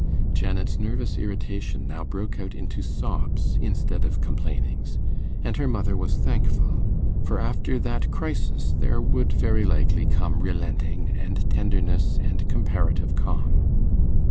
Janet's nervous irritation now broke out into sobs instead of complainings; and her mother was thankful, for after that crisis there would very likely come relenting, and tenderness, and comparative calm.